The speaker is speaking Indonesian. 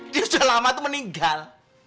dia sudah lama itu meninggal